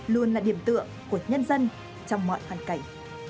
luôn là điểm tựa của nhân dân trong mọi hoàn cảnh